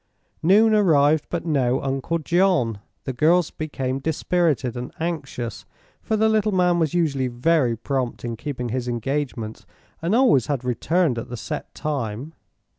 Noon arrived, but no Uncle John. The girls became dispirited and anxious, for the little man was usually very prompt in keeping his engagements, and always had returned at the set time.